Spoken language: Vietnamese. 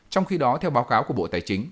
trong khi đó theo báo cáo của bộ tài chính